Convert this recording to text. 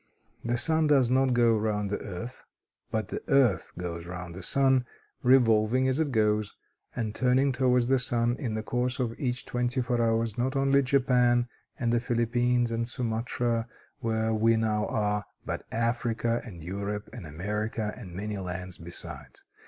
The sun does not go round the earth, but the earth goes round the sun, revolving as it goes, and turning towards the sun in the course of each twenty four hours, not only Japan, and the Philippines, and Sumatra where we now are, but Africa, and Europe, and America, and many lands besides.